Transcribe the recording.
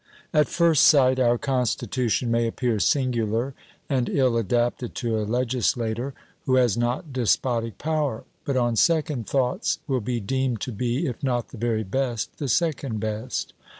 At first sight, our constitution may appear singular and ill adapted to a legislator who has not despotic power; but on second thoughts will be deemed to be, if not the very best, the second best.